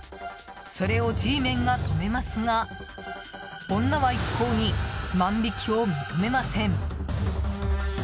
それをＧメンが止めますが女は一向に万引きを認めません。